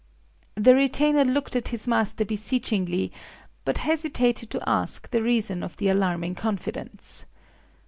The retainer looked at his master beseechingly, but hesitated to ask the reason of the alarming confidence.